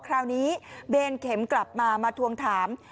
คราวนี้เบนเข็มกลับมามาทวงถาม